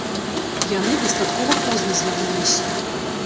Яны дастаткова позна звярнуліся.